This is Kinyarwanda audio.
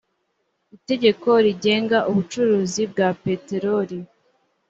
itegeko rigenga ubucuruzi bwa peteroli